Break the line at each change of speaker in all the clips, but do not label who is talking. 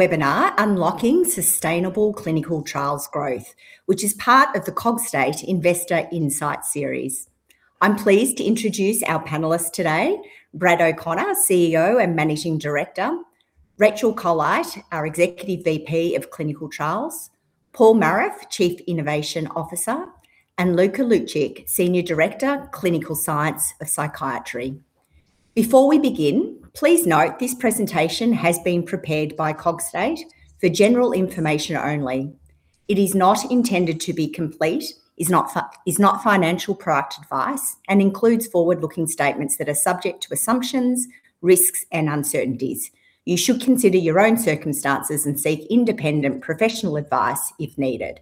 Webinar: Unlocking Sustainable Clinical Trials Growth, which is part of the Cogstate Investor Insight series. I'm pleased to introduce our panelists today, Brad O'Connor, CEO and Managing Director, Rachel Colite, our Executive VP of Clinical Trials, Paul Maruff, Chief Innovation Officer, and Luka Lucić, Senior Director, Clinical Science of Psychiatry. Before we begin, please note this presentation has been prepared by Cogstate for general information only. It is not intended to be complete, is not financial product advice, and includes forward-looking statements that are subject to assumptions, risks, and uncertainties. You should consider your own circumstances and seek independent professional advice if needed.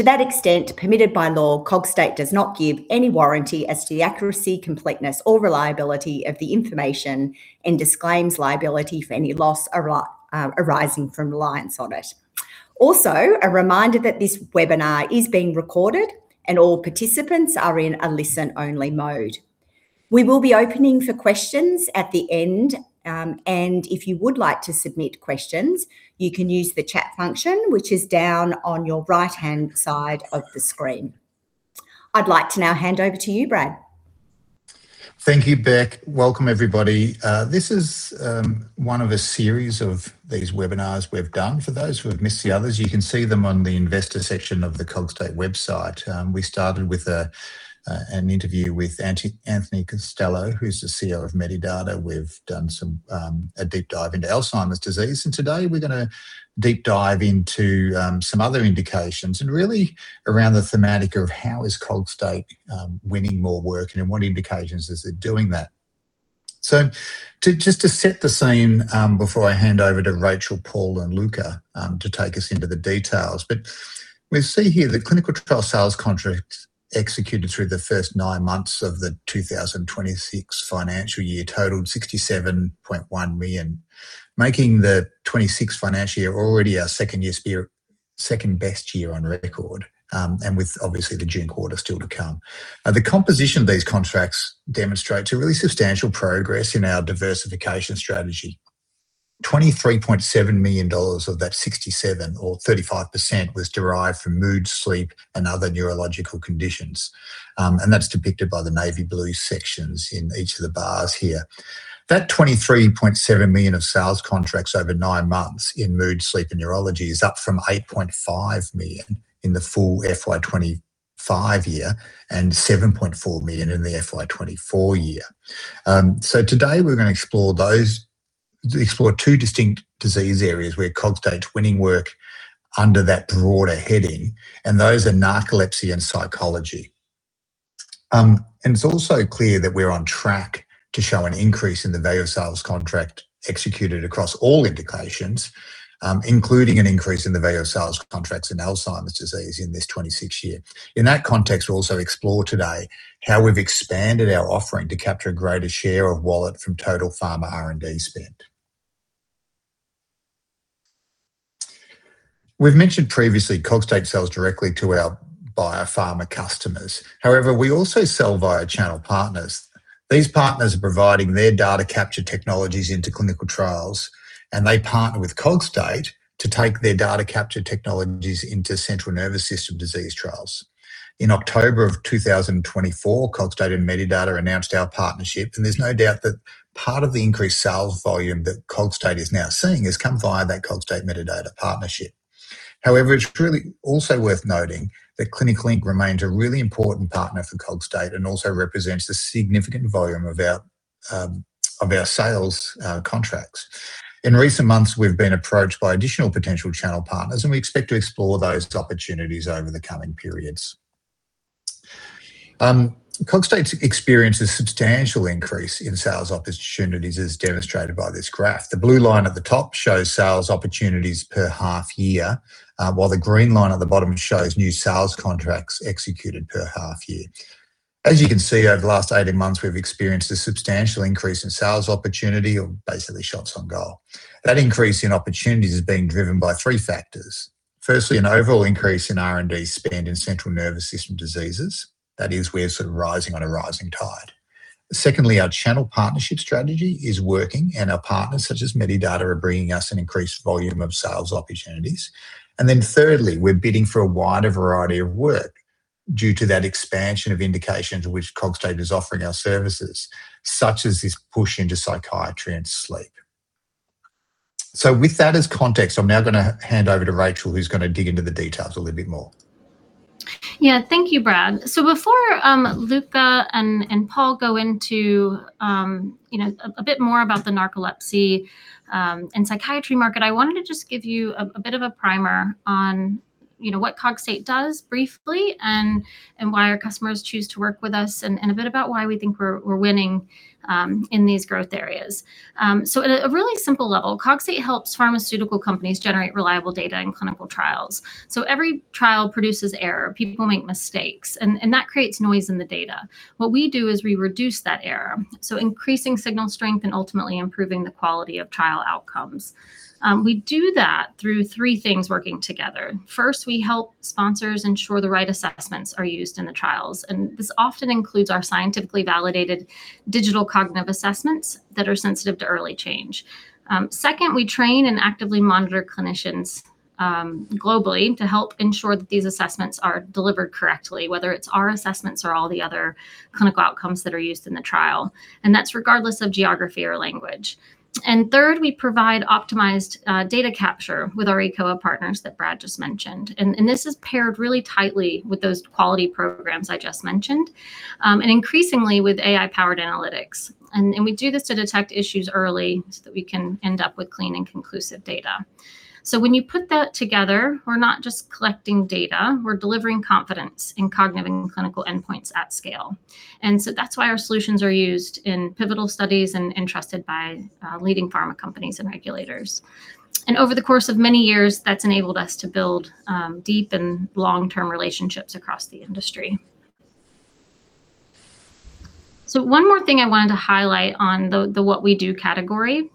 To that extent permitted by law, Cogstate does not give any warranty as to the accuracy, completeness, or reliability of the information and disclaims liability for any loss arising from reliance on it. Also, a reminder that this webinar is being recorded and all participants are in a listen-only mode. We will be opening for questions at the end. If you would like to submit questions, you can use the chat function, which is down on your right-hand side of the screen. I'd like to now hand over to you, Brad.
Thank you, Bec. Welcome everybody. This is one of a series of these webinars we've done. For those who have missed the others, you can see them on the investor section of the Cogstate website. We started with an interview with Anthony Costello, who's the CEO of Medidata. We've done a deep dive into Alzheimer's disease. Today we're going to deep dive into some other indications and really around the thematic of how is Cogstate winning more work, in what indications is it doing that. Just to set the scene before I hand over to Rachel, Paul, and Luka to take us into the details. We see here the clinical trial sales contracts executed through the first nine months of the 2026 financial year totaled 67.1 million, making the FY 2026 financial year already our second best year on record, with obviously the June quarter still to come. The composition of these contracts demonstrate a really substantial progress in our diversification strategy. AUD 23.7 million of that 67 million, or 35%, was derived from mood, sleep, and other neurological conditions. That's depicted by the navy blue sections in each of the bars here. That 23.7 million of sales contracts over nine months in mood, sleep, and neurology is up from 8.5 million in the full FY 2025 year and 7.4 million in the FY 2024 year. Today we're going to explore two distinct disease areas where Cogstate's winning work under that broader heading, those are narcolepsy and psychiatry. It's also clear that we're on track to show an increase in the value of sales contract executed across all indications, including an increase in the value of sales contracts in Alzheimer's disease in this 2026 year. In that context, we'll also explore today how we've expanded our offering to capture a greater share of wallet from total pharma R&D spend. We've mentioned previously Cogstate sells directly to our biopharma customers. However, we also sell via channel partners. These partners are providing their data capture technologies into clinical trials, and they partner with Cogstate to take their data capture technologies into central nervous system disease trials. In October of 2024, Cogstate and Medidata announced our partnership, and there's no doubt that part of the increased sales volume that Cogstate is now seeing has come via that Cogstate Medidata partnership. However, it's truly also worth noting that Clinical Ink remains a really important partner for Cogstate and also represents a significant volume of our sales contracts. In recent months, we've been approached by additional potential channel partners, and we expect to explore those opportunities over the coming periods. Cogstate's experienced a substantial increase in sales opportunities, as demonstrated by this graph. The blue line at the top shows sales opportunities per half year, while the green line at the bottom shows new sales contracts executed per half year. As you can see, over the last 18 months, we've experienced a substantial increase in sales opportunity or basically shots on goal. That increase in opportunities is being driven by three factors. Firstly, an overall increase in R&D spend in central nervous system diseases. That is, we're sort of rising on a rising tide. Secondly, our channel partnership strategy is working, and our partners, such as Medidata, are bringing us an increased volume of sales opportunities. Thirdly, we're bidding for a wider variety of work due to that expansion of indications in which Cogstate is offering our services, such as this push into psychiatry and sleep. With that as context, I'm now going to hand over to Rachel, who's going to dig into the details a little bit more.
Thank you, Brad. Before Luka and Paul go into a bit more about the narcolepsy and psychiatry market, I wanted to just give you a bit of a primer on what Cogstate does briefly, and why our customers choose to work with us, and a bit about why we think we're winning in these growth areas. At a really simple level, Cogstate helps pharmaceutical companies generate reliable data in clinical trials. Every trial produces error. People make mistakes, and that creates noise in the data. What we do is we reduce that error, increasing signal strength and ultimately improving the quality of trial outcomes. We do that through three things working together. First, we help sponsors ensure the right assessments are used in the trials, and this often includes our scientifically validated digital cognitive assessments that are sensitive to early change. Second, we train and actively monitor clinicians globally to help ensure that these assessments are delivered correctly, whether it's our assessments or all the other clinical outcomes that are used in the trial, and that's regardless of geography or language. Third, we provide optimized data capture with our eCOA partners that Brad just mentioned. This is paired really tightly with those quality programs I just mentioned, and increasingly with AI-powered analytics. We do this to detect issues early so that we can end up with clean and conclusive data. When you put that together, we're not just collecting data, we're delivering confidence in cognitive and clinical endpoints at scale. That's why our solutions are used in pivotal studies and trusted by leading pharma companies and regulators. Over the course of many years, that's enabled us to build deep and long-term relationships across the industry. One more thing I wanted to highlight on the what we do category.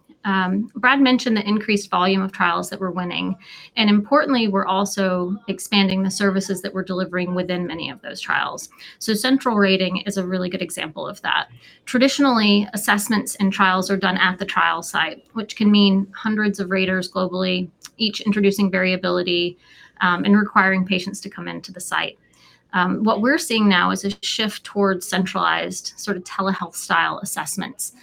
Brad mentioned the increased volume of trials that we're winning, and importantly, we're also expanding the services that we're delivering within many of those trials. Central rating is a really good example of that. Traditionally, assessments and trials are done at the trial site, which can mean hundreds of raters globally, each introducing variability, and requiring patients to come into the site. What we're seeing now is a shift towards centralized sort of telehealth style assessments,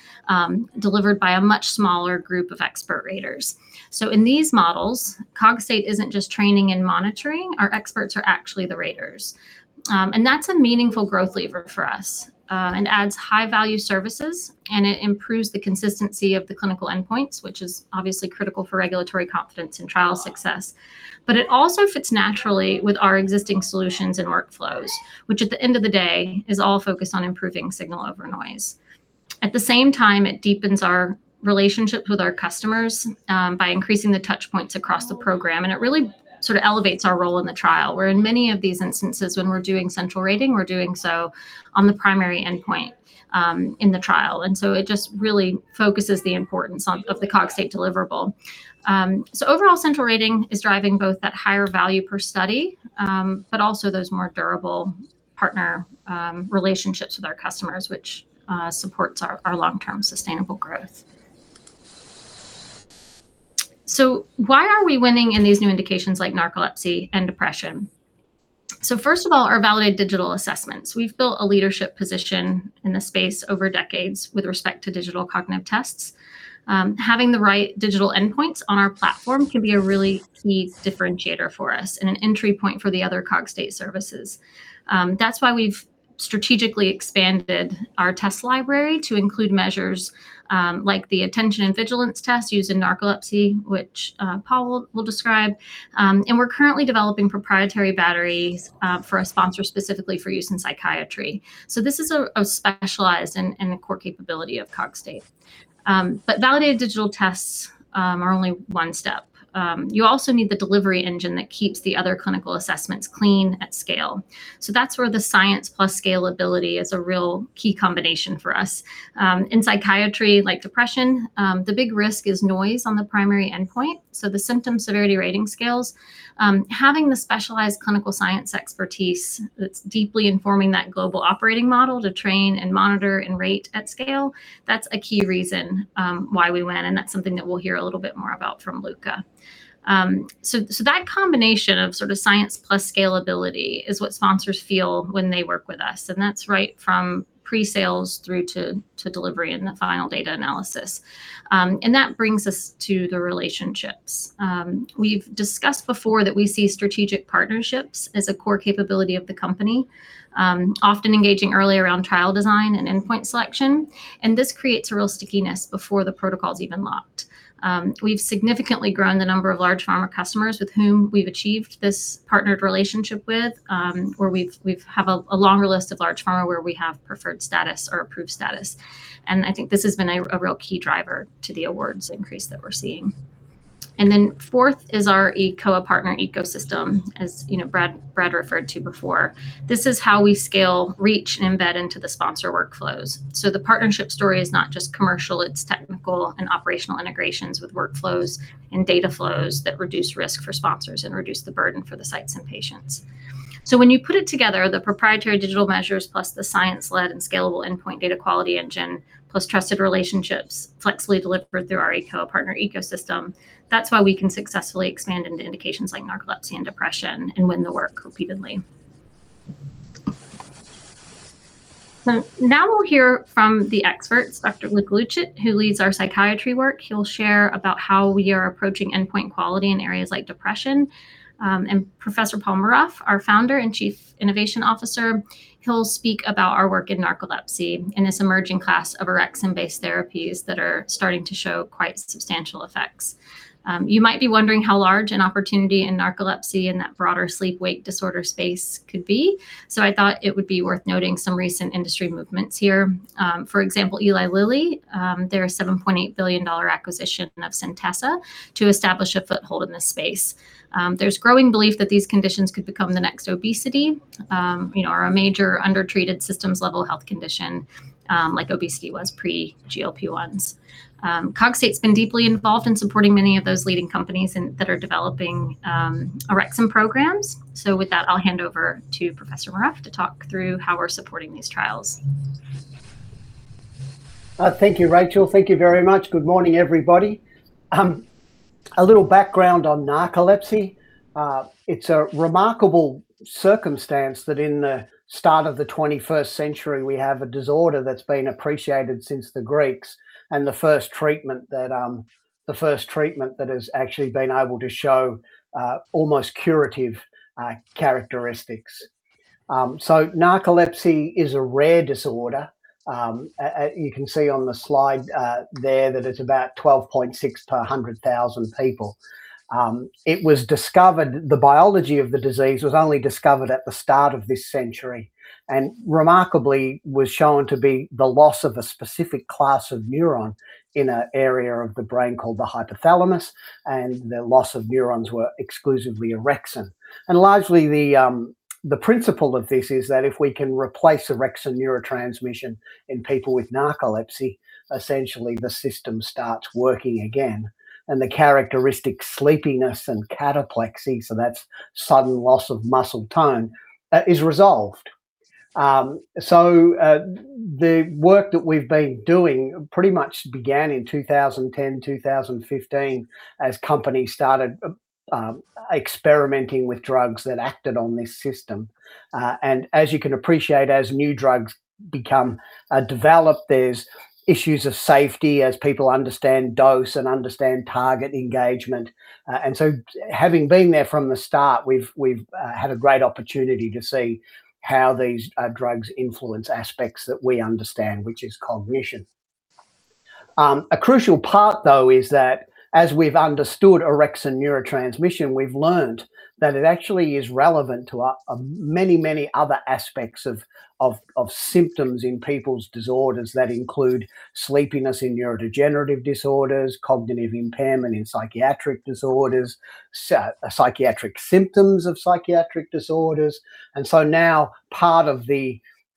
delivered by a much smaller group of expert raters. In these models, Cogstate isn't just training and monitoring. Our experts are actually the raters. That's a meaningful growth lever for us, and adds high value services, and it improves the consistency of the clinical endpoints, which is obviously critical for regulatory confidence and trial success. It also fits naturally with our existing solutions and workflows, which at the end of the day, is all focused on improving signal over noise. At the same time, it deepens our relationship with our customers, by increasing the touchpoints across the program, and it really sort of elevates our role in the trial, where in many of these instances, when we're doing central rating, we're doing so on the primary endpoint, in the trial. It just really focuses the importance of the Cogstate deliverable. Overall, central rating is driving both that higher value per study, but also those more durable partner relationships with our customers, which supports our long-term sustainable growth. Why are we winning in these new indications like narcolepsy and depression? First of all, our validated digital assessments. We've built a leadership position in the space over decades with respect to digital cognitive tests. Having the right digital endpoints on our platform can be a really key differentiator for us and an entry point for the other Cogstate services. That's why we've strategically expanded our test library to include measures, like the attention and vigilance test used in narcolepsy, which Paul will describe. We're currently developing proprietary batteries for a sponsor, specifically for use in psychiatry. This is a specialized and a core capability of Cogstate. Validated digital tests are only one step. You also need the delivery engine that keeps the other clinical assessments clean at scale. That's where the science plus scalability is a real key combination for us. In psychiatry, like depression, the big risk is noise on the primary endpoint, the symptom severity rating scales. Having the specialized clinical science expertise that's deeply informing that global operating model to train and monitor and rate at scale, that's a key reason why we win, and that's something that we'll hear a little bit more about from Luka. That combination of sort of science plus scalability is what sponsors feel when they work with us, and that's right from pre-sales through to delivery and the final data analysis. That brings us to the relationships. We've discussed before that we see strategic partnerships as a core capability of the company, often engaging early around trial design and endpoint selection, this creates a real stickiness before the protocol's even locked. We've significantly grown the number of large pharma customers with whom we've achieved this partnered relationship with, where we have a longer list of large pharma where we have preferred status or approved status. I think this has been a real key driver to the awards increase that we're seeing. Fourth is our eCOA partner ecosystem, as Brad referred to before. This is how we scale, reach, and embed into the sponsor workflows. The partnership story is not just commercial, it's technical and operational integrations with workflows and data flows that reduce risk for sponsors and reduce the burden for the sites and patients. When you put it together, the proprietary digital measures plus the science-led and scalable endpoint data quality engine, plus trusted relationships flexibly delivered through our eCOA partner ecosystem. That's why we can successfully expand into indications like narcolepsy and depression and win the work repeatedly. Now we'll hear from the experts, Dr. Luka Lucić, who leads our psychiatry work. He'll share about how we are approaching endpoint quality in areas like depression. Professor Paul Maruff, our founder and Chief Innovation Officer, he'll speak about our work in narcolepsy and this emerging class of orexin-based therapies that are starting to show quite substantial effects. You might be wondering how large an opportunity in narcolepsy and that broader sleep-wake disorder space could be. I thought it would be worth noting some recent industry movements here. For example, Eli Lilly, their $7.8 billion acquisition of Centessa to establish a foothold in this space. There's growing belief that these conditions could become the next obesity, are a major undertreated systems-level health condition, like obesity was pre-GLP-1s. Cogstate's been deeply involved in supporting many of those leading companies that are developing orexin programs. With that, I'll hand over to Professor Maruff to talk through how we're supporting these trials.
Thank you, Rachel Colite. Thank you very much. Good morning, everybody. A little background on narcolepsy. It's a remarkable circumstance that in the start of the 21st century, we have a disorder that's been appreciated since the Greeks, and the first treatment that has actually been able to show almost curative characteristics. Narcolepsy is a rare disorder. You can see on the slide there that it's about 12.6 per 100,000 people. The biology of the disease was only discovered at the start of this century, and remarkably was shown to be the loss of a specific class of neuron in an area of the brain called the hypothalamus, and the loss of neurons were exclusively orexin. Largely, the principle of this is that if we can replace orexin neurotransmission in people with narcolepsy, essentially the system starts working again, and the characteristic sleepiness and cataplexy, so that's sudden loss of muscle tone, is resolved. The work that we've been doing pretty much began in 2010, 2015, as companies started experimenting with drugs that acted on this system. As you can appreciate, as new drugs develop, there's issues of safety as people understand dose and understand target engagement. Having been there from the start, we've had a great opportunity to see how these drugs influence aspects that we understand, which is cognition. A crucial part, though, is that as we've understood orexin neurotransmission, we've learned that it actually is relevant to many, many other aspects of symptoms in people's disorders that include sleepiness in neurodegenerative disorders, cognitive impairment in psychiatric disorders, psychiatric symptoms of psychiatric disorders. Now part of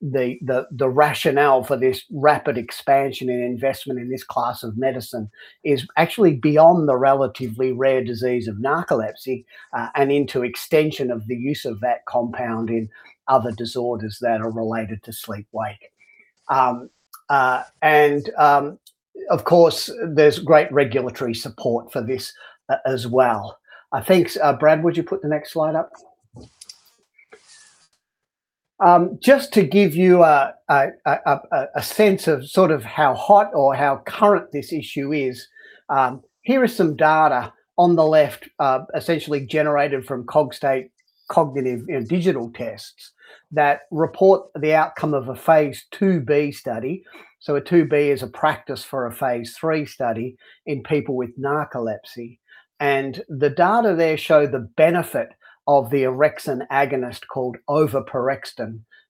the rationale for this rapid expansion and investment in this class of medicine is actually beyond the relatively rare disease of narcolepsy, and into extension of the use of that compound in other disorders that are related to sleep-wake. Of course, there's great regulatory support for this as well. Thanks. Brad, would you put the next slide up? Just to give you a sense of sort of how hot or how current this issue is, here is some data on the left, essentially generated from Cogstate cognitive digital tests that report the outcome of a phase II-B study. A phase II-B is a practice for a phase III study in people with narcolepsy, and the data there show the benefit of the orexin agonist called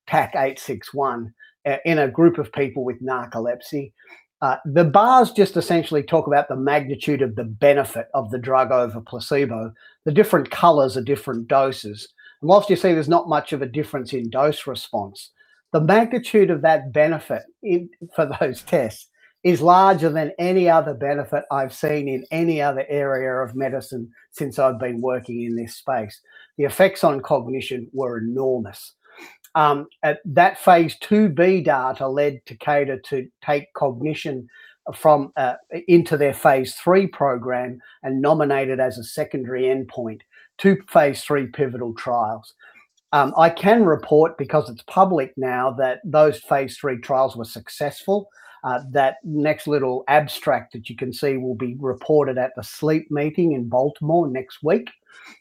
TAK-861 in a group of people with narcolepsy. The bars essentially talk about the magnitude of the benefit of the drug over placebo. The different colors are different doses. Whilst you see there's not much of a difference in dose response, the magnitude of that benefit for those tests is larger than any other benefit I've seen in any other area of medicine since I've been working in this space. The effects on cognition were enormous. That phase II-B data led Takeda to take cognition into their phase III program and nominate it as a secondary endpoint, two phase III pivotal trials. I can report, because it's public now, that those phase III trials were successful. That next little abstract that you can see will be reported at the sleep meeting in Baltimore next week.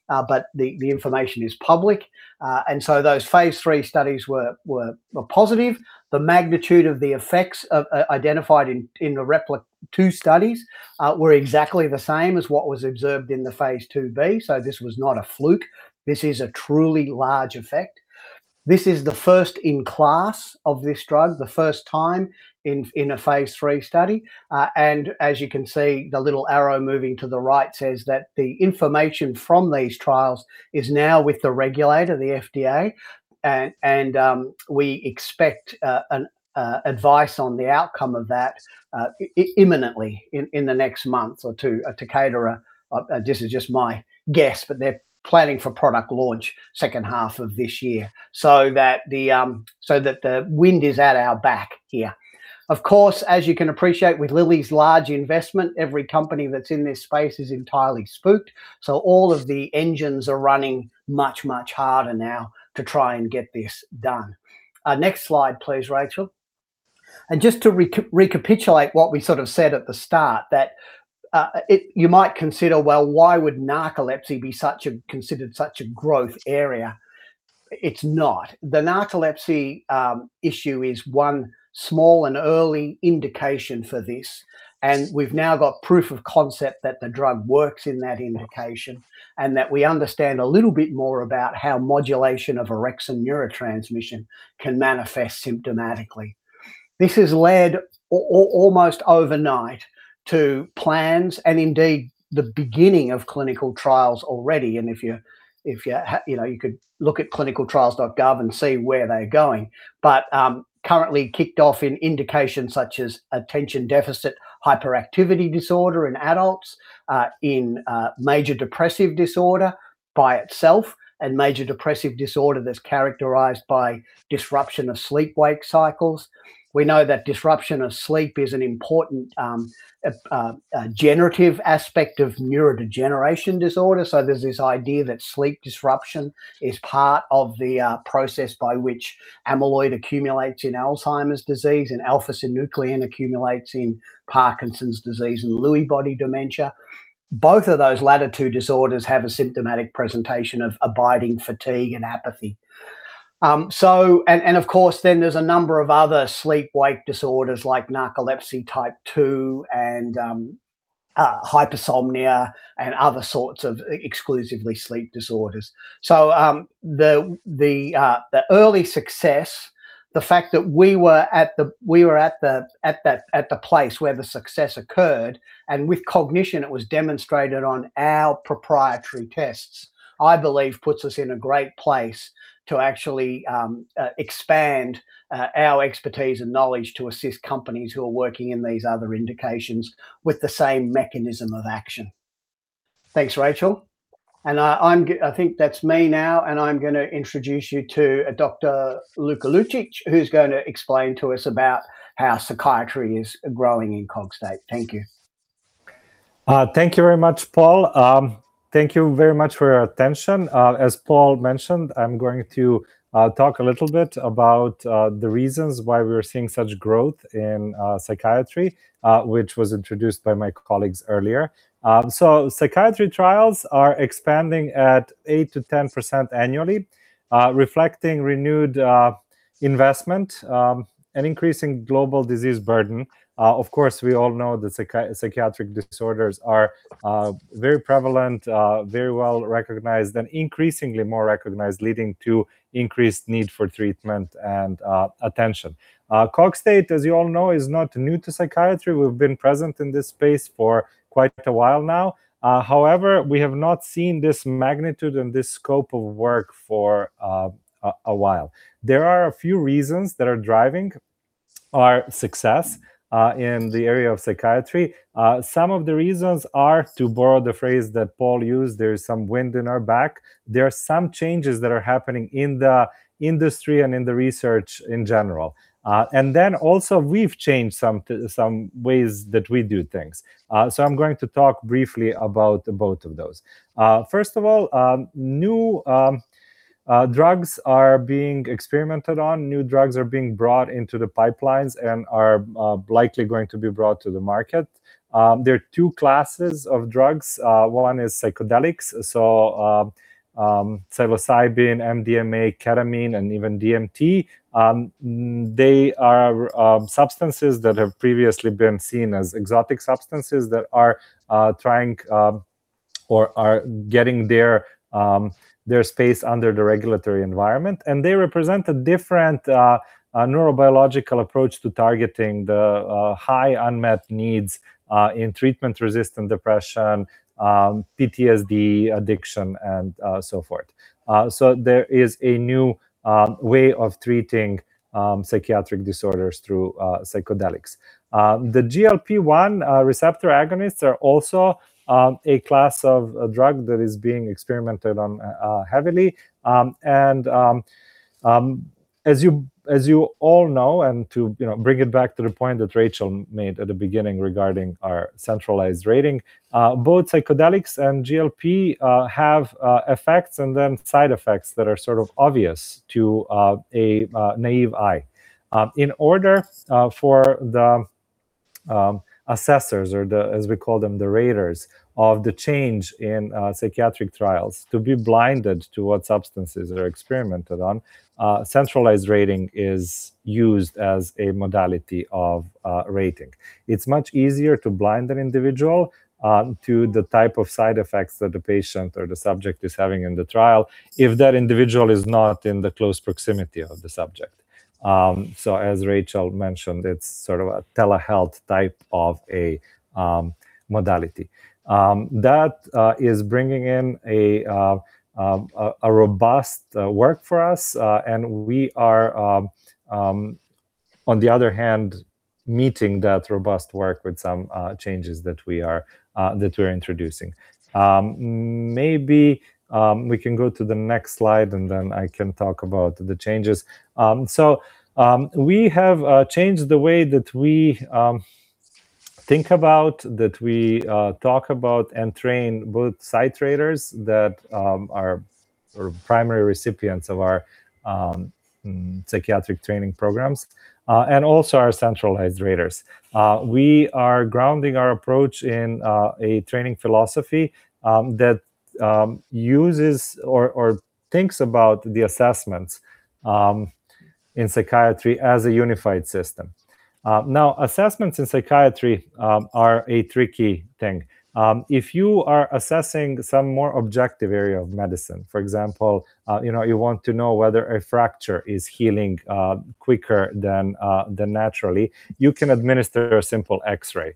The information is public. Those phase III studies were positive. The magnitude of the effects identified in the two studies were exactly the same as what was observed in the phase II-B, this was not a fluke. This is a truly large effect. This is the first in class of this drug, the first time in a phase III study. As you can see, the little arrow moving to the right says that the information from these trials is now with the regulator, the FDA, and we expect advice on the outcome of that imminently, in the next month or two. Takeda, this is just my guess, they're planning for product launch second half of this year, the wind is at our back here. Of course, as you can appreciate with Lilly's large investment, every company that's in this space is entirely spooked. All of the engines are running much harder now to try and get this done. Next slide, please, Rachel. Just to recapitulate what we said at the start, that you might consider, why would narcolepsy be considered such a growth area? It's not. The narcolepsy issue is one small and early indication for this, and we've now got proof of concept that the drug works in that indication, and that we understand a little bit more about how modulation of orexin neurotransmission can manifest symptomatically. This has led, almost overnight, to plans and indeed, the beginning of clinical trials already. You could look at ClinicalTrials.gov and see where they're going. Currently kicked off in indications such as attention deficit hyperactivity disorder in adults, in major depressive disorder by itself, and major depressive disorder that's characterized by disruption of sleep-wake cycles. We know that disruption of sleep is an important generative aspect of neurodegeneration disorder. There's this idea that sleep disruption is part of the process by which amyloid accumulates in Alzheimer's disease and alpha-synuclein accumulates in Parkinson's disease and Lewy body dementia. Both of those latter two disorders have a symptomatic presentation of abiding fatigue and apathy. There's a number of other sleep-wake disorders like narcolepsy type 2 and hypersomnia and other sorts of exclusively sleep disorders. The early success, the fact that we were at the place where the success occurred, and with cognition, it was demonstrated on our proprietary tests, I believe puts us in a great place to actually expand our expertise and knowledge to assist companies who are working in these other indications with the same mechanism of action. Thanks, Rachel. I think that's me now, and I'm going to introduce you to Dr. Luka Lucić, who's going to explain to us about how psychiatry is growing in Cogstate. Thank you.
Thank you very much, Paul. Thank you very much for your attention. As Paul mentioned, I'm going to talk a little bit about the reasons why we are seeing such growth in psychiatry, which was introduced by my colleagues earlier. Psychiatry trials are expanding at 8%-10% annually, reflecting renewed investment, and increasing global disease burden. Of course, we all know that psychiatric disorders are very prevalent, very well recognized, and increasingly more recognized, leading to increased need for treatment and attention. Cogstate, as you all know, is not new to psychiatry. We've been present in this space for quite a while now. However, we have not seen this magnitude and this scope of work for a while. There are a few reasons that are driving our success in the area of psychiatry. Some of the reasons are, to borrow the phrase that Paul used, there is some wind in our back. There are some changes that are happening in the industry and in the research in general. Then also we've changed some ways that we do things. I'm going to talk briefly about both of those. First of all, new drugs are being experimented on, new drugs are being brought into the pipelines and are likely going to be brought to the market. There are two classes of drugs. One is psychedelics, psilocybin, MDMA, ketamine, and even DMT. They are substances that have previously been seen as exotic substances that are trying, or are getting their space under the regulatory environment, and they represent a different neurobiological approach to targeting the high unmet needs in treatment-resistant depression, PTSD, addiction, and so forth. There is a new way of treating psychiatric disorders through psychedelics. The GLP-1 receptor agonists are also a class of drug that is being experimented on heavily. As you all know, and to bring it back to the point that Rachel made at the beginning regarding our central rating, both psychedelics and GLP have effects and then side effects that are sort of obvious to a naive eye. In order for the assessors or, as we call them, the raters of the change in psychiatric trials to be blinded to what substances are experimented on, central rating is used as a modality of rating. It's much easier to blind an individual to the type of side effects that the patient or the subject is having in the trial if that individual is not in the close proximity of the subject. As Rachel mentioned, it's sort of a telehealth type of a modality. That is bringing in a robust work for us, and we are, on the other hand, meeting that robust work with some changes that we're introducing. Maybe we can go to the next slide, and then I can talk about the changes. We have changed the way that we think about, that we talk about, and train both site raters that are primary recipients of our psychiatric training programs, and also our centralized raters. We are grounding our approach in a training philosophy that uses or thinks about the assessments in psychiatry as a unified system. Assessments in psychiatry are a tricky thing. If you are assessing some more objective area of medicine, for example, you want to know whether a fracture is healing quicker than naturally, you can administer a simple X-ray.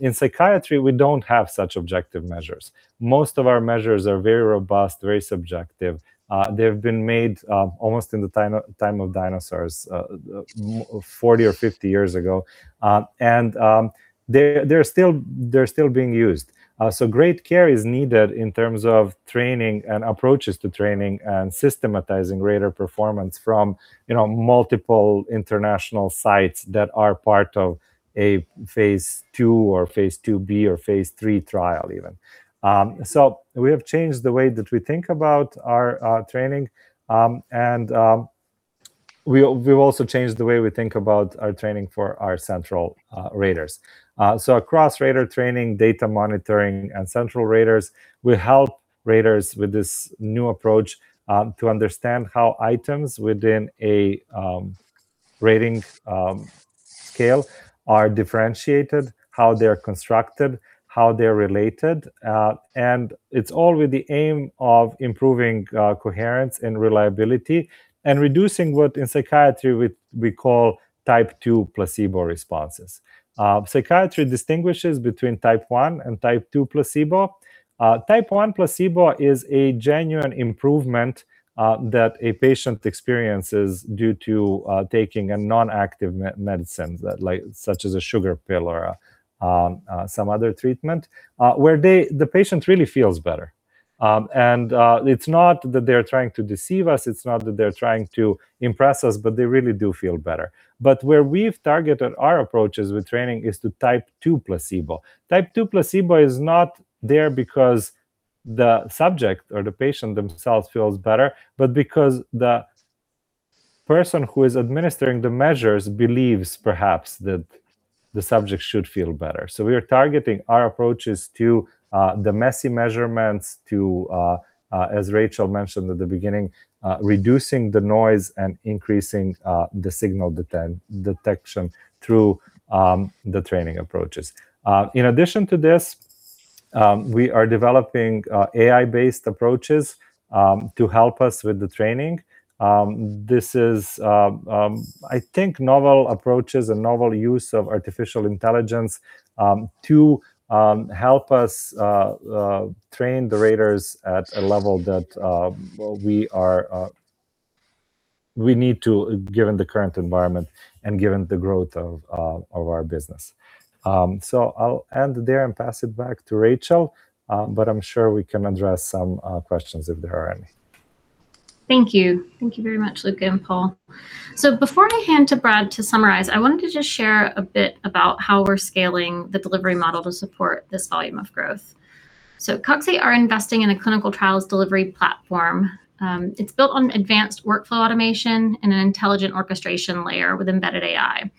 In psychiatry, we don't have such objective measures. Most of our measures are very robust, very subjective. They've been made almost in the time of dinosaurs, 40 or 50 years ago. They're still being used. Great care is needed in terms of training and approaches to training and systematizing rater performance from multiple international sites that are part of a phase II or phase II-B or phase III trial even. We have changed the way that we think about our training, and we've also changed the way we think about our training for our central raters. Across rater training, data monitoring, and central raters, we help raters with this new approach to understand how items within a rating scale are differentiated, how they're constructed, how they're related. It's all with the aim of improving coherence and reliability and reducing what in psychiatry we call type 2 placebo responses. Psychiatry distinguishes between type 1 and type 2 placebo. Type 1 placebo is a genuine improvement that a patient experiences due to taking a non-active medicine, such as a sugar pill or some other treatment, where the patient really feels better. It's not that they're trying to deceive us, it's not that they're trying to impress us, but they really do feel better. Where we've targeted our approaches with training is to type 2 placebo. Type 2 placebo is not there because the subject or the patient themselves feels better, but because the person who is administering the measures believes perhaps that the subject should feel better. We are targeting our approaches to the messy measurements to, as Rachel mentioned at the beginning, reducing the noise and increasing the signal detection through the training approaches. In addition to this, we are developing AI-based approaches to help us with the training. This is, I think, novel approaches and novel use of artificial intelligence to help us train the raters at a level that we need to, given the current environment and given the growth of our business. I'll end there and pass it back to Rachel, but I'm sure we can address some questions if there are any.
Thank you. Thank you very much, Luka and Paul. Before I hand to Brad to summarize, I wanted to just share a bit about how we're scaling the delivery model to support this volume of growth. Cogstate are investing in a clinical trials delivery platform. It's built on advanced workflow automation and an intelligent orchestration layer with embedded AI.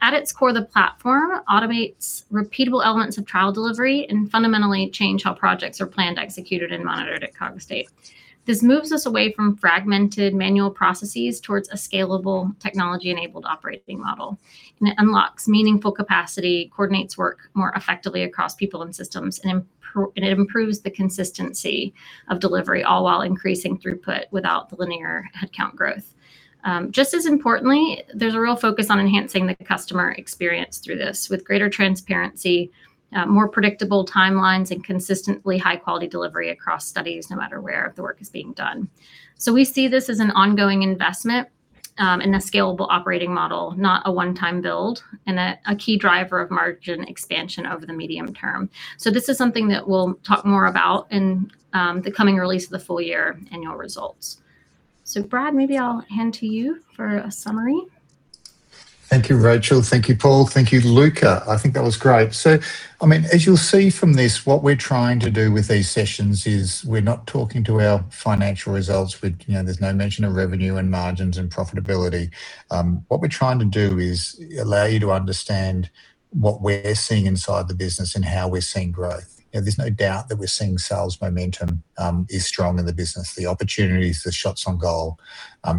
At its core, the platform automates repeatable elements of trial delivery and fundamentally change how projects are planned, executed, and monitored at Cogstate. This moves us away from fragmented manual processes towards a scalable technology-enabled operating model. It unlocks meaningful capacity, coordinates work more effectively across people and systems, and it improves the consistency of delivery, all while increasing throughput without the linear headcount growth. Just as importantly, there's a real focus on enhancing the customer experience through this, with greater transparency, more predictable timelines, and consistently high-quality delivery across studies, no matter where the work is being done. We see this as an ongoing investment in a scalable operating model, not a one-time build, and a key driver of margin expansion over the medium term. This is something that we'll talk more about in the coming release of the full-year annual results. Brad, maybe I'll hand to you for a summary.
Thank you, Rachel. Thank you, Paul. Thank you, Luka. I think that was great. As you'll see from this, what we're trying to do with these sessions is we're not talking to our financial results. There's no mention of revenue and margins and profitability. What we're trying to do is allow you to understand what we're seeing inside the business and how we're seeing growth. There's no doubt that we're seeing sales momentum is strong in the business. The opportunities, the shots on goal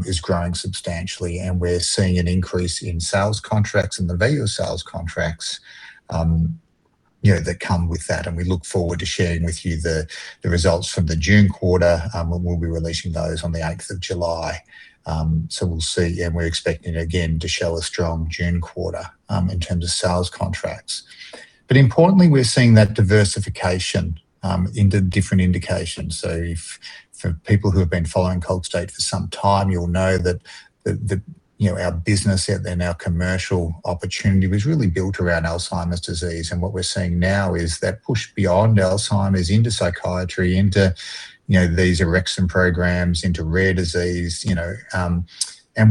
is growing substantially, and we're seeing an increase in sales contracts and the value of sales contracts that come with that. We look forward to sharing with you the results from the June quarter, and we'll be releasing those on the 8th of July. We'll see, and we're expecting again to show a strong June quarter in terms of sales contracts. Importantly, we're seeing that diversification into different indications. If people who have been following Cogstate for some time, you'll know that our business out there and our commercial opportunity was really built around Alzheimer's disease. What we're seeing now is that push beyond Alzheimer's into psychiatry, into these orexin programs, into rare disease, and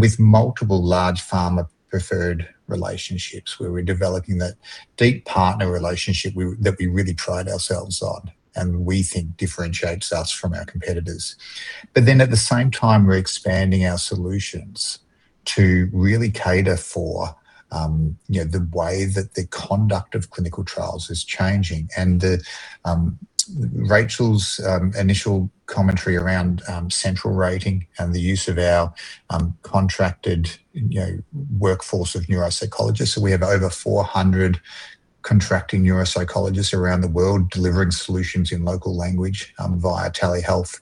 with multiple large pharma-preferred relationships, where we're developing that deep partner relationship that we really pride ourselves on, and we think differentiates us from our competitors. At the same time, we're expanding our solutions to really cater for the way that the conduct of clinical trials is changing. Rachel's initial commentary around central rating and the use of our contracted workforce of neuropsychologists. We have over 400 contracting neuropsychologists around the world delivering solutions in local language via telehealth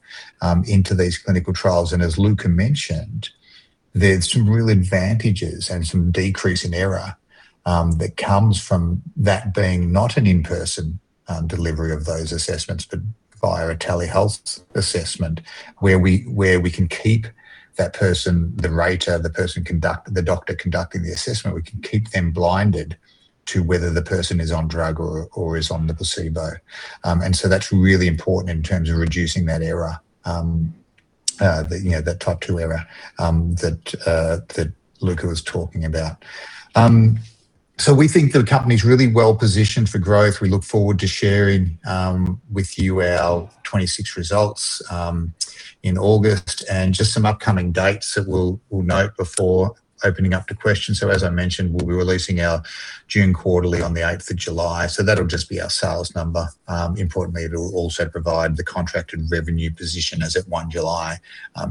into these clinical trials. As Luka mentioned, there's some real advantages and some decrease in error that comes from that being not an in-person delivery of those assessments, but via a telehealth assessment, where we can keep that person, the rater, the doctor conducting the assessment, we can keep them blinded to whether the person is on drug or is on the placebo. That's really important in terms of reducing that type 2 error that Luka was talking about. We think the company's really well-positioned for growth. We look forward to sharing with you our 2026 results in August. Just some upcoming dates that we'll note before opening up to questions. As I mentioned, we'll be releasing our June quarterly on the 8th of July. That'll just be our sales number. Importantly, it'll also provide the contracted revenue position as at 1st of July,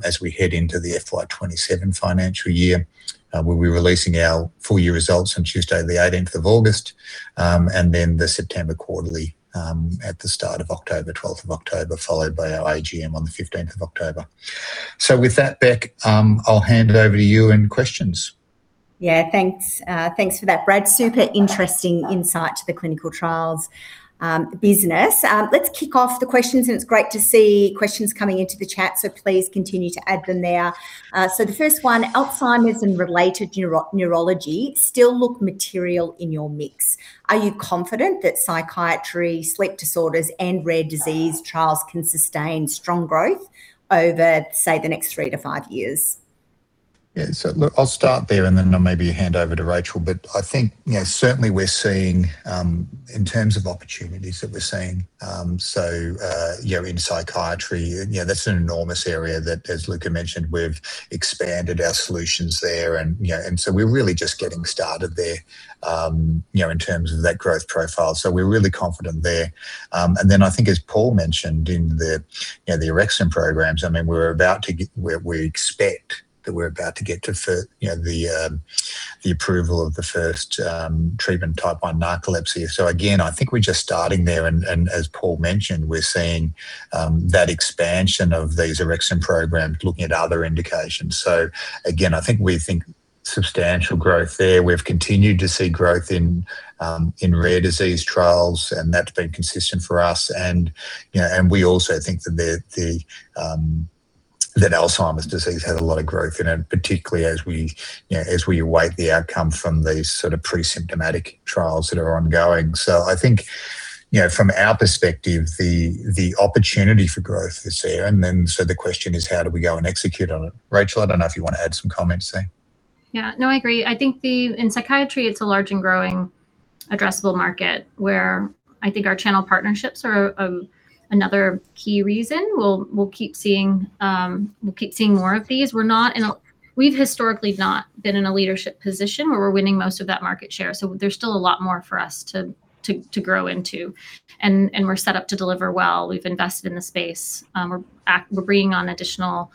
as we head into the FY 2027 financial year. We'll be releasing our full-year results on Tuesday the 18th of August, and then the September quarterly at the start of October, 12th of October, followed by our AGM on the 15th of October. With that, Bec, I'll hand it over to you and questions.
Thanks for that, Brad. Super interesting insight to the clinical trials business. Let's kick off the questions, and it's great to see questions coming into the chat, so please continue to add them there. The first one, Alzheimer's and related neurology still look material in your mix. Are you confident that psychiatry, sleep disorders, and rare disease trials can sustain strong growth over, say, the next three to five years?
Look, I'll start there and then I'll maybe hand over to Rachel. I think certainly in terms of opportunities that we're seeing. In psychiatry, that's an enormous area that, as Luka mentioned, we've expanded our solutions there. We're really just getting started there in terms of that growth profile. We're really confident there. Then I think as Paul mentioned in the orexin programs, we expect that we're about to get to the approval of the first treatment type 1 narcolepsy. Again, I think we're just starting there, and as Paul mentioned, we're seeing that expansion of these orexin programs looking at other indications. Again, I think we think substantial growth there. We've continued to see growth in rare disease trials, and that's been consistent for us. We also think that Alzheimer's disease has a lot of growth in it, particularly as we await the outcome from these sort of pre-symptomatic trials that are ongoing. I think from our perspective, the opportunity for growth is there. The question is, how do we go and execute on it? Rachel, I don't know if you want to add some comments there.
Yeah, no, I agree. I think in psychiatry, it's a large and growing addressable market, where I think our channel partnerships are another key reason. We'll keep seeing more of these. We've historically not been in a leadership position where we're winning most of that market share. There's still a lot more for us to grow into. We're set up to deliver well. We've invested in the space. We're bringing on additional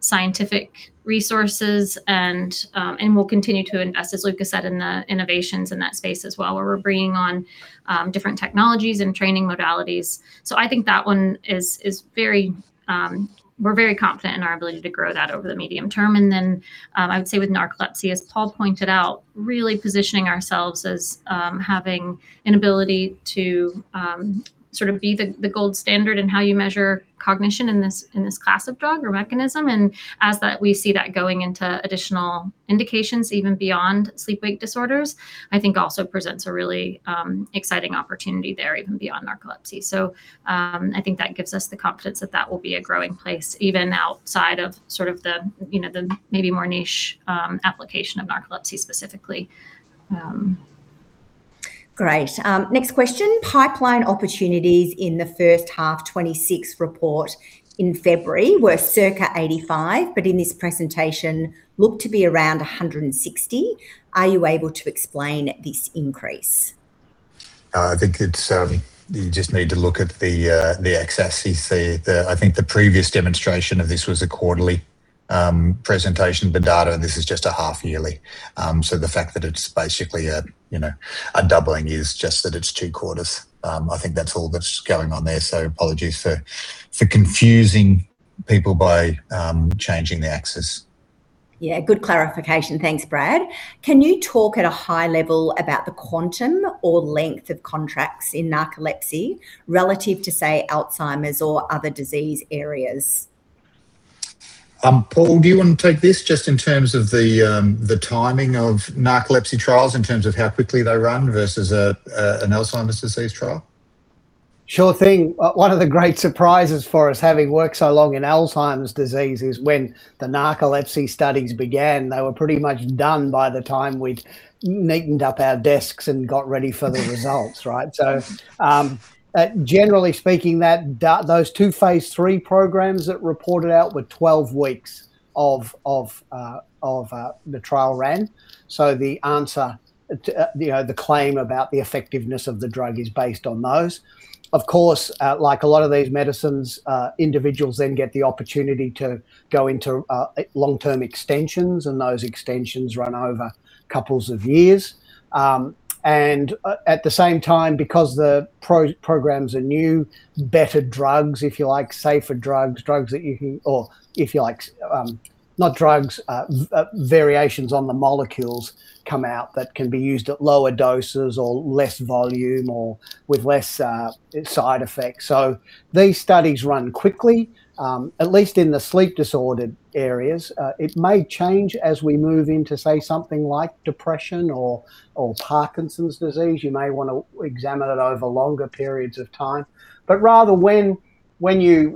scientific resources, and we'll continue to invest, as Luka said, in the innovations in that space as well, where we're bringing on different technologies and training modalities. I think that one we're very confident in our ability to grow that over the medium term. I would say with narcolepsy, as Paul pointed out, really positioning ourselves as having an ability to sort of be the gold standard in how you measure cognition in this class of drug or mechanism. As we see that going into additional indications, even beyond sleep-wake disorders, I think also presents a really exciting opportunity there, even beyond narcolepsy. I think that gives us the confidence that that will be a growing place, even outside of sort of the maybe more niche application of narcolepsy specifically.
Great. Next question. Pipeline opportunities in the first half 2026 report in February were circa 85, in this presentation look to be around 160. Are you able to explain this increase?
I think you just need to look at the X-axis there. I think the previous demonstration of this was a quarterly presentation, but data on this is just a half-yearly. The fact that it's basically a doubling is just that it's two quarters. I think that's all that's going on there. Apologies for confusing people by changing the axis
Yeah. Good clarification. Thanks, Brad. Can you talk at a high level about the quantum or length of contracts in narcolepsy relative to, say, Alzheimer's or other disease areas?
Paul, do you want to take this just in terms of the timing of narcolepsy trials in terms of how quickly they run versus an Alzheimer's disease trial?
Sure thing. One of the great surprises for us, having worked so long in Alzheimer's disease is when the narcolepsy studies began, they were pretty much done by the time we'd neatened up our desks and got ready for the results, right? Generally speaking, those two phase III programs that reported out were 12 weeks of the trial ran. The answer, the claim about the effectiveness of the drug is based on those. Of course, like a lot of these medicines, individuals then get the opportunity to go into long-term extensions, and those extensions run over couples of years. At the same time, because the programs are new, better drugs, if you like, safer drugs, or if you like, not drugs, variations on the molecules come out that can be used at lower doses or less volume or with less side effects. These studies run quickly, at least in the sleep-disordered areas. It may change as we move into, say, something like depression or Parkinson's disease. You may want to examine it over longer periods of time. Rather when you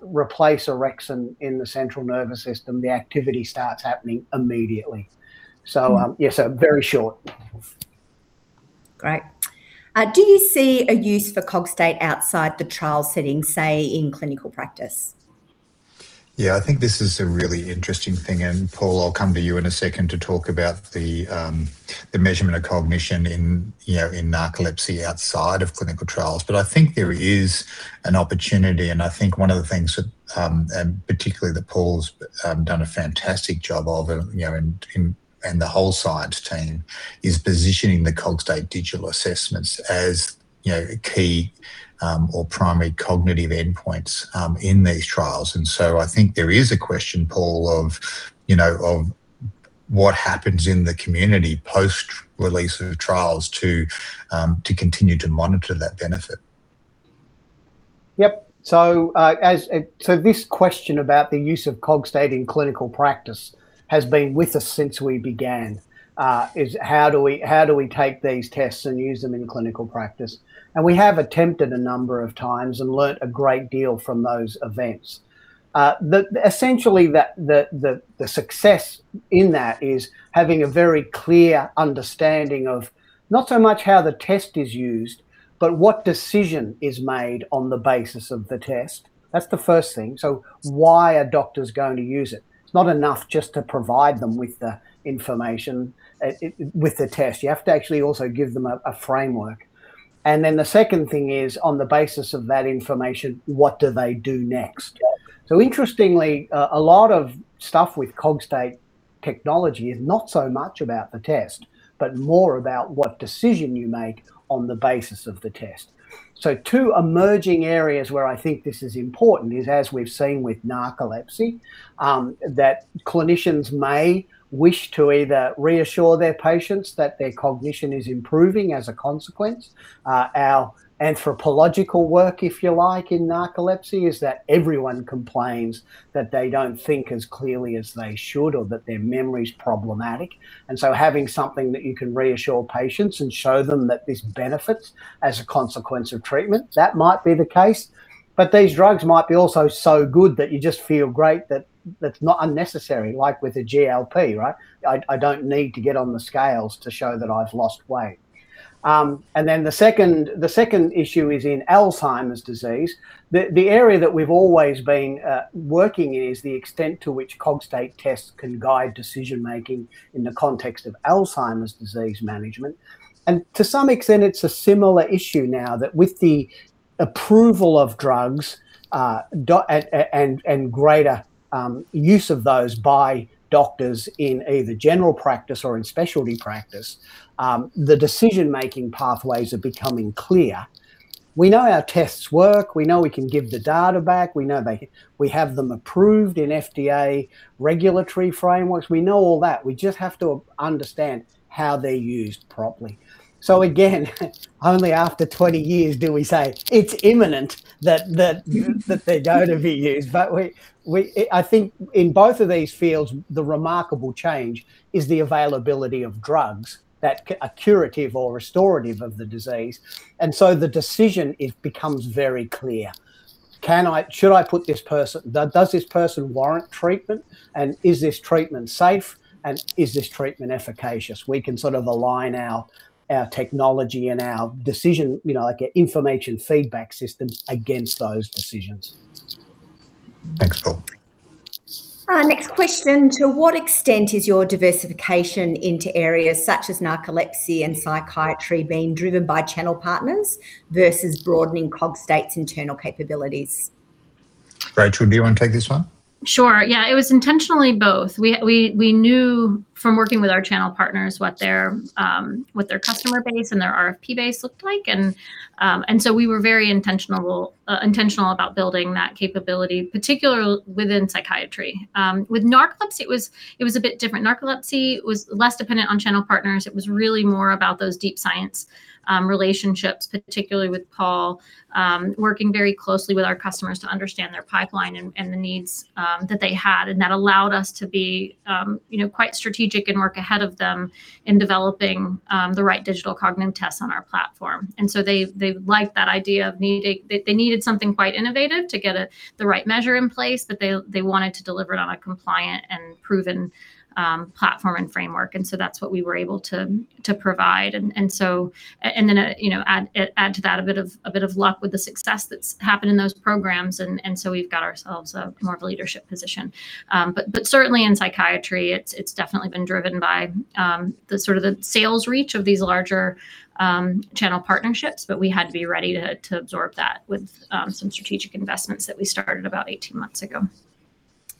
replace orexin in the central nervous system, the activity starts happening immediately. Yeah, very short.
Great. Do you see a use for Cogstate outside the trial setting, say in clinical practice?
Yeah, I think this is a really interesting thing, Paul, I'll come to you in a second to talk about the measurement of cognition in narcolepsy outside of clinical trials. I think there is an opportunity, and I think one of the things that, and particularly that Paul's done a fantastic job of, and the whole science team, is positioning the Cogstate digital assessments as key or primary cognitive endpoints in these trials. I think there is a question, Paul, of what happens in the community post-release of trials to continue to monitor that benefit.
Yep. This question about the use of Cogstate in clinical practice has been with us since we began, is how do we take these tests and use them in clinical practice? We have attempted a number of times and learned a great deal from those events. Essentially the success in that is having a very clear understanding of not so much how the test is used, but what decision is made on the basis of the test. That's the first thing. Why are doctors going to use it? It's not enough just to provide them with the information, with the test. You have to actually also give them a framework. The second thing is, on the basis of that information, what do they do next? Interestingly, a lot of stuff with Cogstate technology is not so much about the test, but more about what decision you make on the basis of the test. Two emerging areas where I think this is important is, as we've seen with narcolepsy, that clinicians may wish to either reassure their patients that their cognition is improving as a consequence. Our anthropological work, if you like, in narcolepsy is that everyone complains that they don't think as clearly as they should or that their memory's problematic. Having something that you can reassure patients and show them that this benefits as a consequence of treatment, that might be the case. These drugs might be also so good that you just feel great that that's not unnecessary, like with a GLP, right? I don't need to get on the scales to show that I've lost weight. The second issue is in Alzheimer's disease. The area that we've always been working in is the extent to which Cogstate tests can guide decision-making in the context of Alzheimer's disease management. To some extent, it's a similar issue now that with the approval of drugs, and greater use of those by doctors in either general practice or in specialty practice, the decision-making pathways are becoming clear. We know our tests work. We know we can give the data back. We know we have them approved in FDA regulatory frameworks. We know all that. We just have to understand how they're used properly. Again, only after 20 years do we say it's imminent that they're going to be used. I think in both of these fields, the remarkable change is the availability of drugs that are curative or restorative of the disease. The decision becomes very clear. Does this person warrant treatment, and is this treatment safe, and is this treatment efficacious? We can sort of align our technology and our decision, like our information feedback systems against those decisions.
Thanks, Paul.
Next question. To what extent is your diversification into areas such as narcolepsy and psychiatry being driven by channel partners versus broadening Cogstate's internal capabilities?
Rachel, do you want to take this one?
Sure. Yeah, it was intentionally both. We knew from working with our channel partners what their customer base and their RFP base looked like. We were very intentional about building that capability, particularly within psychiatry. With narcolepsy, it was a bit different. Narcolepsy was less dependent on channel partners. It was really more about those deep science relationships, particularly with Paul, working very closely with our customers to understand their pipeline and the needs that they had. That allowed us to be quite strategic and work ahead of them in developing the right digital cognitive tests on our platform. They liked that idea of they needed something quite innovative to get the right measure in place, but they wanted to deliver it on a compliant and proven platform and framework. That's what we were able to provide. Add to that a bit of luck with the success that's happened in those programs, and so we've got ourselves more of a leadership position. Certainly in psychiatry, it's definitely been driven by the sort of the sales reach of these larger channel partnerships. We had to be ready to absorb that with some strategic investments that we started about 18 months ago.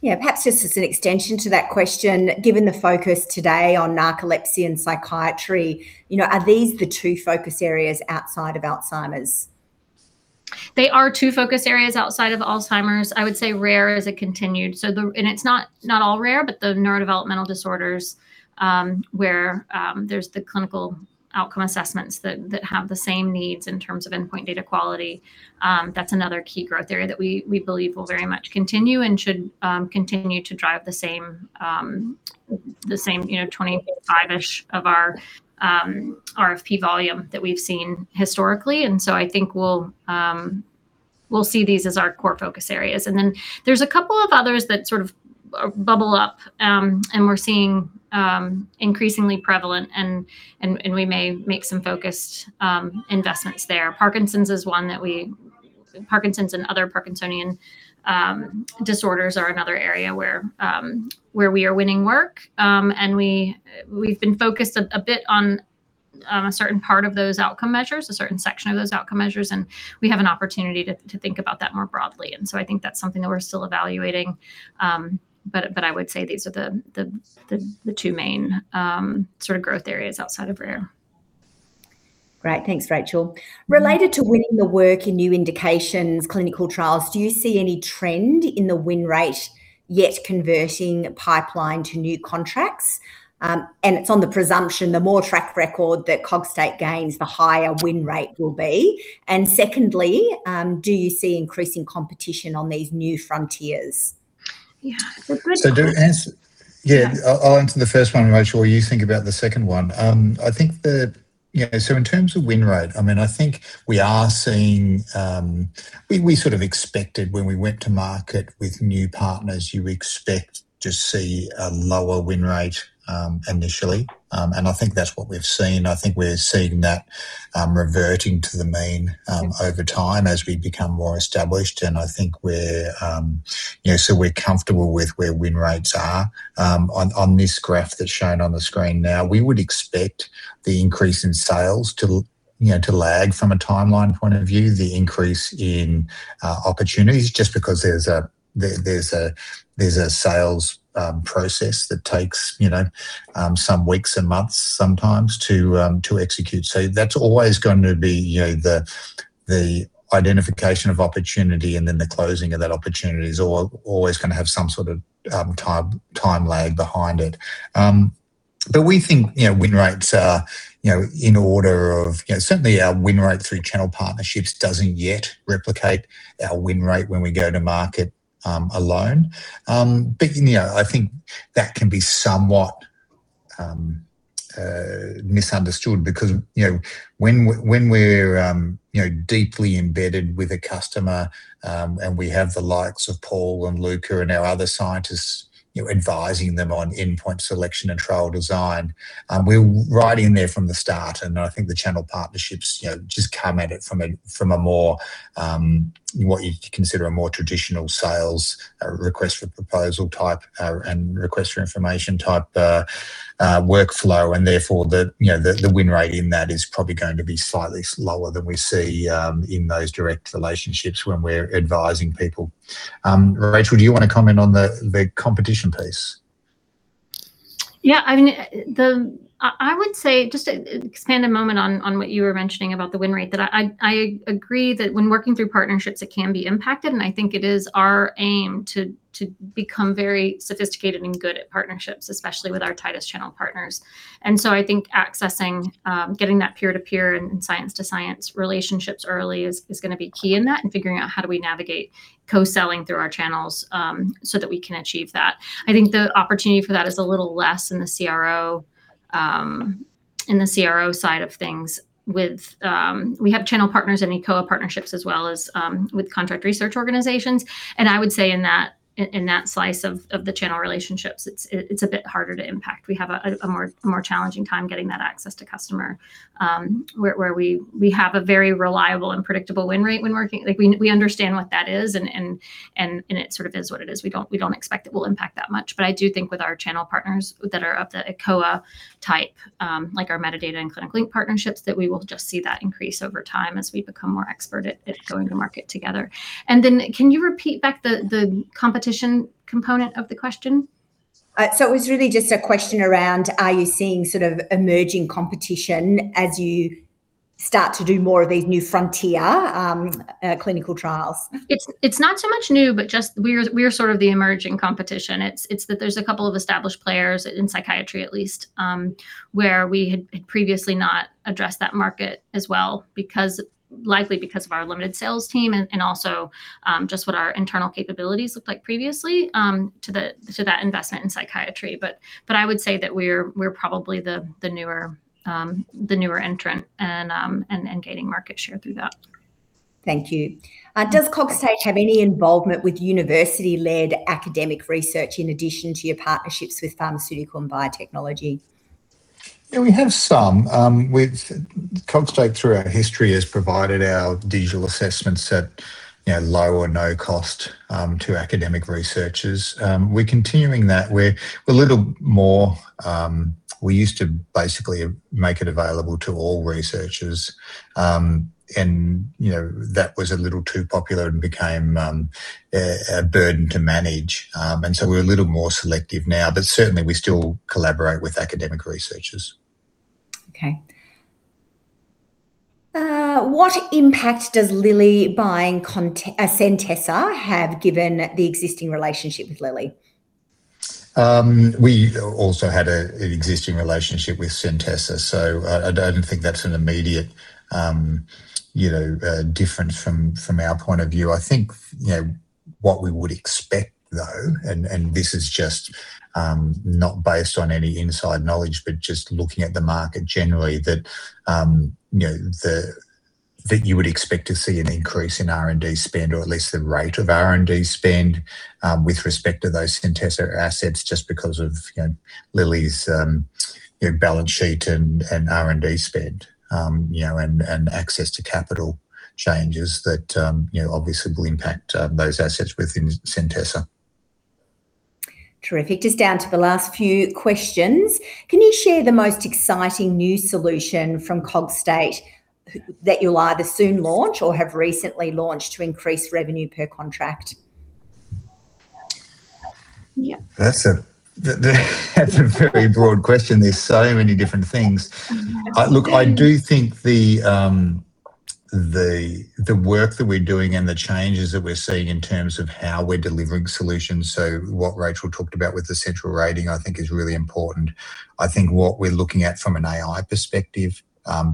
Yeah. Perhaps just as an extension to that question, given the focus today on narcolepsy and psychiatry, are these the two focus areas outside of Alzheimer's?
They are two focus areas outside of Alzheimer's. I would say rare is a continued, it's not all rare, but the neurodevelopmental disorders, where there's the clinical outcome assessments that have the same needs in terms of endpoint data quality, that's another key growth area that we believe will very much continue and should continue to drive the same 25-ish of our RFP volume that we've seen historically. I think we'll see these as our core focus areas. There's a couple of others that sort of bubble up, and we're seeing increasingly prevalent and we may make some focused investments there. Parkinson's and other Parkinsonian disorders are another area where we are winning work. We've been focused a bit on a certain part of those outcome measures, a certain section of those outcome measures, and we have an opportunity to think about that more broadly. I think that's something that we're still evaluating. I would say these are the two main sort of growth areas outside of rare.
Great. Thanks, Rachel. Related to winning the work in new indications, clinical trials, do you see any trend in the win rate yet converting pipeline to new contracts? It's on the presumption, the more track record that Cogstate gains, the higher win rate will be. Secondly, do you see increasing competition on these new frontiers?
Yeah. It's a good one.
I'll answer the first one, Rachel, you think about the second one. In terms of win rate, we sort of expected when we went to market with new partners, you expect to see a lower win rate initially. I think that's what we've seen. I think we're seeing that reverting to the mean over time as we become more established, and so we're comfortable with where win rates are. On this graph that's shown on the screen now, we would expect the increase in sales to lag from a timeline point of view, the increase in opportunities, just because there's a sales process that takes some weeks and months sometimes to execute. That's always going to be the identification of opportunity and then the closing of that opportunity is always going to have some sort of time lag behind it. We think win rates are in order of Certainly, our win rate through channel partnerships doesn't yet replicate our win rate when we go to market alone. I think that can be somewhat misunderstood because when we're deeply embedded with a customer, and we have the likes of Paul and Luka and our other scientists advising them on endpoint selection and trial design, we're right in there from the start. I think the channel partnerships just come at it from a more, what you'd consider a more traditional sales, a request for proposal type, and request for information type workflow, and therefore the win rate in that is probably going to be slightly slower than we see in those direct relationships when we're advising people. Rachel, do you want to comment on the competition piece?
Yeah. I would say, just to expand a moment on what you were mentioning about the win rate, that I agree that when working through partnerships, it can be impacted, and I think it is our aim to become very sophisticated and good at partnerships, especially with our tightest channel partners. I think accessing, getting that peer-to-peer and science-to-science relationships early is going to be key in that, and figuring out how do we navigate co-selling through our channels, so that we can achieve that. I think the opportunity for that is a little less in the CRO side of things with, we have channel partners and eCOA partnerships as well as with contract research organizations. I would say in that slice of the channel relationships, it's a bit harder to impact. We have a more challenging time getting that access to customer, where we have a very reliable and predictable win rate when working. We understand what that is, and it sort of is what it is. We don't expect it will impact that much. I do think with our channel partners that are of the eCOA type, like our Medidata and Clinical Ink partnerships, that we will just see that increase over time as we become more expert at going to market together. Can you repeat back the competition component of the question?
It was really just a question around are you seeing sort of emerging competition as you start to do more of these new frontier clinical trials?
It's not so much new, just we're sort of the emerging competition. It's that there's a couple of established players in psychiatry at least, where we had previously not addressed that market as well, likely because of our limited sales team and also just what our internal capabilities looked like previously to that investment in psychiatry. I would say that we're probably the newer entrant and gaining market share through that.
Thank you. Does Cogstate have any involvement with university-led academic research in addition to your partnerships with pharmaceutical and biotechnology?
Yeah, we have some. Cogstate through our history has provided our digital assessments at low or no cost to academic researchers. We're continuing that. That was a little too popular and became a burden to manage. We're a little more selective now, certainly we still collaborate with academic researchers.
Okay. What impact does Lilly buying Centessa have given the existing relationship with Lilly?
We also had an existing relationship with Centessa, I don't think that's an immediate difference from our point of view. I think what we would expect, though, this is just not based on any inside knowledge, but just looking at the market generally, that you would expect to see an increase in R&D spend, or at least the rate of R&D spend with respect to those Centessa assets, just because of Lilly's balance sheet and R&D spend, and access to capital changes that obviously will impact those assets within Centessa.
Terrific. Just down to the last few questions. Can you share the most exciting new solution from Cogstate that you'll either soon launch or have recently launched to increase revenue per contract?
Yeah.
That's a very broad question. There's so many different things.
Absolutely.
Look, I do think the work that we're doing and the changes that we're seeing in terms of how we're delivering solutions, what Rachel talked about with the central rating, I think is really important. I think what we're looking at from an AI perspective,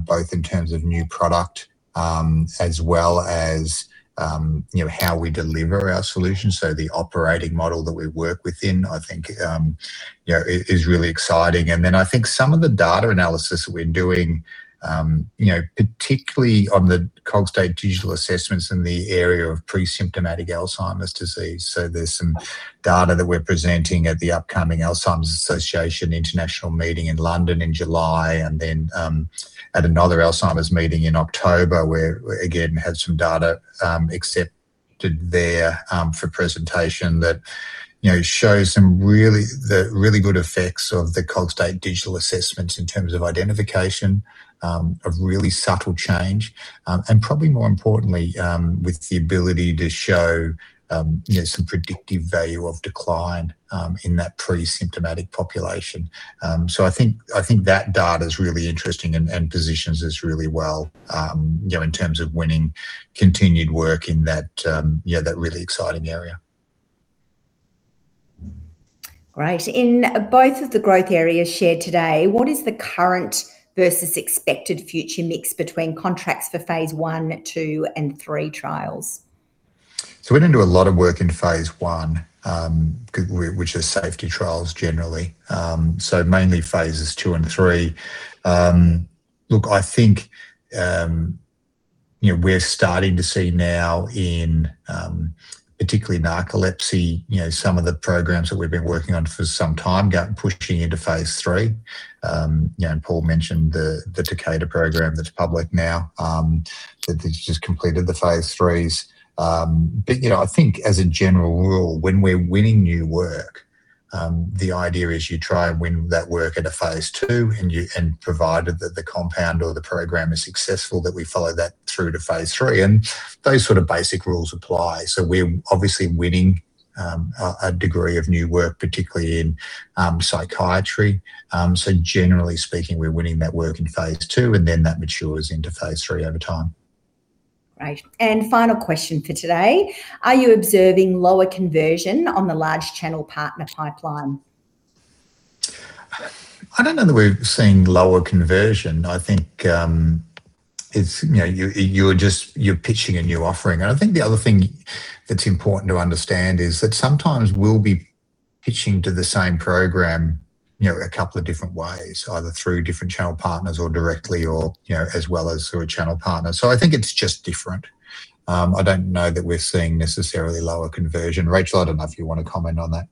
both in terms of new product, as well as how we deliver our solution. The operating model that we work within, I think is really exciting. I think some of the data analysis that we're doing, particularly on the Cogstate digital assessments in the area of pre-symptomatic Alzheimer's disease. There's some data that we're presenting at the upcoming Alzheimer's Association International Conference in London in July. At another Alzheimer's meeting in October, where again, had some data accepted there for presentation that shows the really good effects of the Cogstate digital assessments in terms of identification of really subtle change. Probably more importantly, with the ability to show some predictive value of decline in that pre-symptomatic population. I think that data's really interesting and positions us really well in terms of winning continued work in that really exciting area.
Great. In both of the growth areas shared today, what is the current versus expected future mix between contracts for phase I, II, and III trials?
We don't do a lot of work in phase I, which are safety trials generally. Mainly phase II and phase III. Look, I think we're starting to see now in, particularly narcolepsy, some of the programs that we've been working on for some time pushing into phase III. Paul mentioned the Takeda program that's public now, that they've just completed the phases III. I think as a general rule, when we're winning new work, the idea is you try and win that work at a phase II, and provided that the compound or the program is successful, that we follow that through to phase III, and those sort of basic rules apply. We're obviously winning a degree of new work, particularly in psychiatry. Generally speaking, we're winning that work in phase II, and then that matures into phase III over time.
Great. Final question for today. Are you observing lower conversion on the large channel partner pipeline?
I don't know that we're seeing lower conversion. I think you're pitching a new offering. I think the other thing that's important to understand is that sometimes we'll be pitching to the same program a couple of different ways, either through different channel partners or directly, or as well as through a channel partner. I think it's just different. I don't know that we're seeing necessarily lower conversion. Rachel, I don't know if you want to comment on that.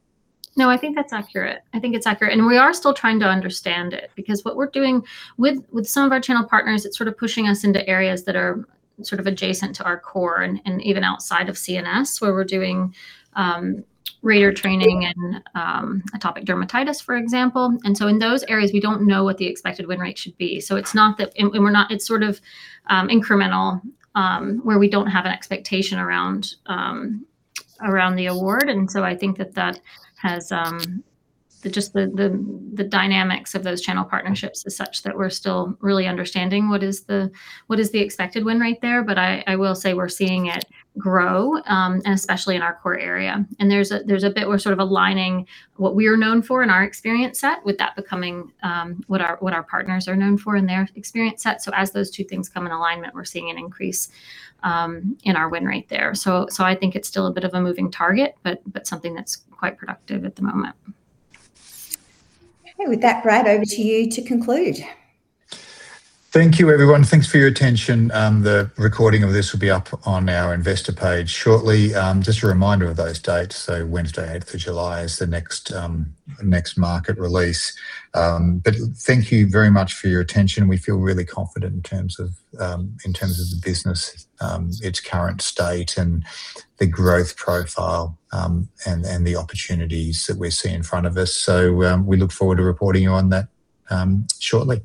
No, I think that's accurate. I think it's accurate. We are still trying to understand it, because what we're doing with some of our channel partners, it's sort of pushing us into areas that are adjacent to our core and even outside of CNS, where we're doing rater training in atopic dermatitis, for example. In those areas, we don't know what the expected win rate should be. It's sort of incremental, where we don't have an expectation around the award. I think that just the dynamics of those channel partnerships is such that we're still really understanding what is the expected win rate there. I will say we're seeing it grow, and especially in our core area. There's a bit we're sort of aligning what we're known for and our experience set with that becoming what our partners are known for and their experience set. As those two things come in alignment, we're seeing an increase in our win rate there. I think it's still a bit of a moving target, but something that's quite productive at the moment.
Okay. With that, Brad, over to you to conclude.
Thank you everyone. Thanks for your attention. The recording of this will be up on our investor page shortly. Just a reminder of those dates. Wednesday, 8th of July is the next market release. Thank you very much for your attention. We feel really confident in terms of the business, its current state and the growth profile, and the opportunities that we see in front of us. We look forward to reporting you on that shortly.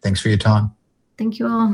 Thanks for your time.
Thank you all